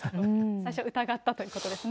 最初、疑ったということですね。